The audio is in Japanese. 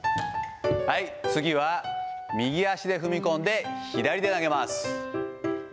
次は右足で踏み込んで、左で投げます。